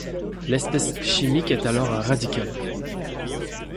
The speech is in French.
L'espèce chimique est alors un radical.